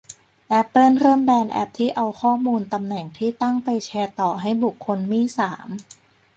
แอปเปิลเริ่มแบนแอปที่เอาข้อมูลตำแหน่งที่ตั้งไปแชร์ต่อให้บุคคลมี่สาม